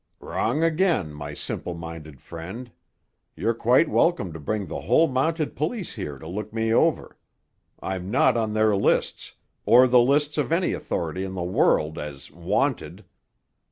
"Wrong again, my simple minded friend. You're quite welcome to bring the whole Mounted Police here to look me over. I'm not on their lists, or the lists of any authority in the world, as 'wanted.